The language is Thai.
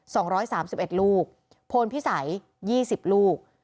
สองร้อยสามสิบเอ็ดลูกโพนพิสัยยี่สิบลูก